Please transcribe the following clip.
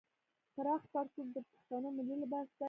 پراخ پرتوګ د پښتنو ملي لباس دی.